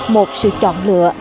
một sự chọn lựa